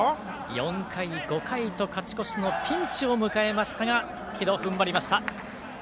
４回、５回と勝ち越しのピンチを迎えましたが城戸、踏ん張りました。